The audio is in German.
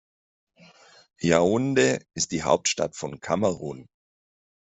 Yaoundé ist die Hauptstadt von Kamerun.